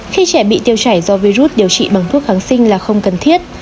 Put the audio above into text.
khi trẻ bị tiêu chảy do virus điều trị bằng thuốc kháng sinh là không cần thiết